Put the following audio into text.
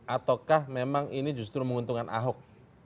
ataukah memang ini justru menguntungkan ahok